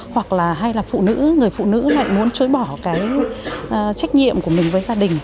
hoặc là hay là phụ nữ người phụ nữ lại muốn chối bỏ cái trách nhiệm của mình với gia đình